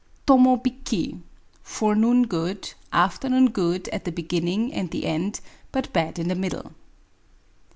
ToMOBiK^ :— fo reno on good ; afternoon good at the li*glwt*li«g and the end, but bad in the middle.